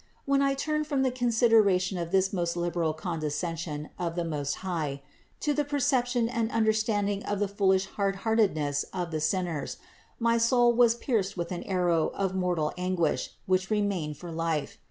When I turned from the consideration of this most liberal condescension of the Most High, to the perception and understanding of the foolish hard heartedness of the sinners, my soul was pierced with an arrow of mortal anguish, which remained for life.